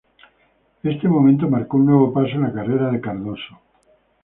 Este momento marcó un nuevo paso en la carrera de Cardoso.